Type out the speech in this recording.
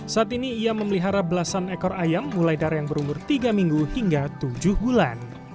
saat ini ia memelihara belasan ekor ayam mulai dari yang berumur tiga minggu hingga tujuh bulan